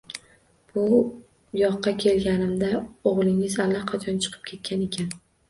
Bu yoqqa kelganimda o`g`lingiz allaqachon chiqib ketgan ekan